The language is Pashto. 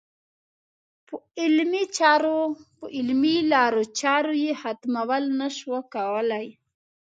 په علمي لارو چارو یې ختمول نه شوای کولای.